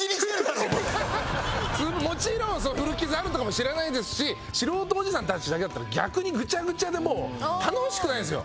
もちろん古傷あるとかも知らないですし素人おじさんたちだけだったら逆にグチャグチャでもう楽しくないんですよ。